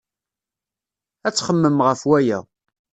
Ad txemmem ɣef waya.